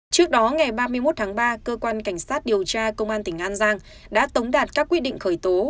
trước đó ngày ba mươi một tháng ba cơ quan cảnh sát điều tra công an tỉnh an giang đã tống đạt các quyết định khởi tố